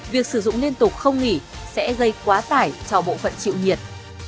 việc sử dụng liên tục không nghỉ sẽ gây quá tải cho bộ phận chịu nhiệt